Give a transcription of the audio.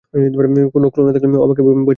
কোন ক্লু না থাকলে ও আমাকে বইটা পাঠাবে কেন?